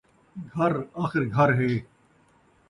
گھر آخر گھر ہے